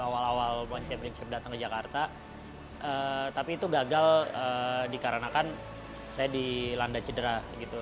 awal awal one championship datang ke jakarta tapi itu gagal dikarenakan saya dilanda cedera gitu